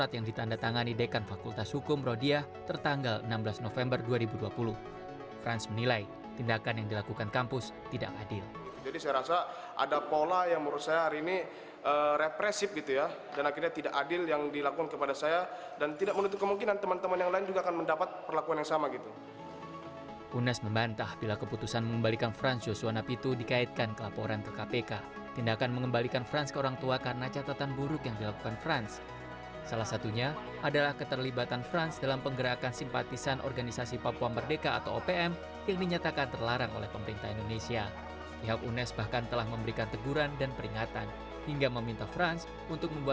yang memberi sanksi pada france